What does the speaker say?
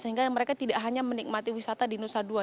sehingga mereka tidak hanya menikmati wisata di nusa dua